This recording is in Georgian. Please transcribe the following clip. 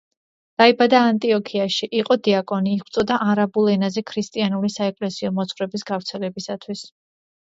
დაიბადა ანტიოქიაში, იყო დიაკონი, იღწვოდა არაბულ ენაზე ქრისტიანული საეკლესიო მოძღვრების გავრცელებისათვის.